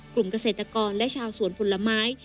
กลุ่มเกษตรกรและชาวสวนผลไม้